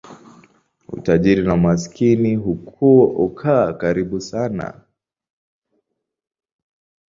Utajiri na umaskini hukaa karibu sana.